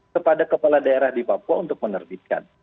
kepada kepala daerah di papua untuk menerbitkan